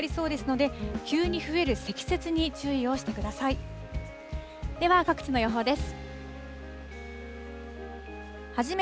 では、各地の予報です。